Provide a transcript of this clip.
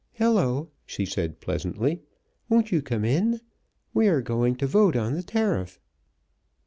"Hello!" she said pleasantly, "Won't you come in? We are going to vote on the tariff."